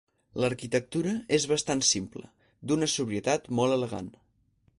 L'arquitectura és bastant simple, d'una sobrietat molt elegant.